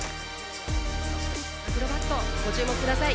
アクロバットご注目下さい。